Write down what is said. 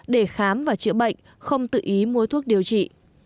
để khám và chữa bệnh không tự ý mua thuốc điều trị